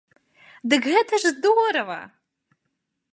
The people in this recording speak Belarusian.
Дык гэта ж і здорава!